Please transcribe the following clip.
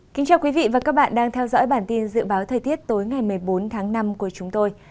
chào mừng quý vị đến với bản tin dự báo thời tiết tối ngày một mươi bốn tháng năm của chúng tôi